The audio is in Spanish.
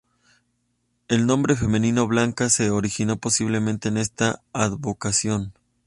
El nombre femenino Blanca se originó posiblemente en esta advocación.